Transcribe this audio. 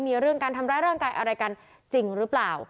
มีเรื่องการทำร้ายร่างกายอะไรกันจริงหรือเปล่า